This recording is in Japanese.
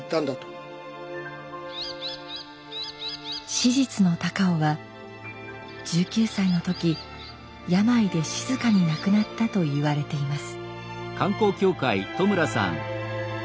史実の高尾は１９歳の時病で静かに亡くなったといわれています。